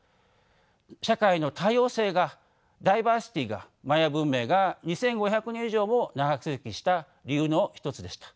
社会の多様性がダイバーシティーがマヤ文明が２，５００年以上も長続きした理由の一つでした。